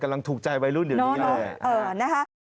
กำลังถูกใจไว้รุ่นเดี๋ยวนี้เลยโนโนเอ่อนะฮะ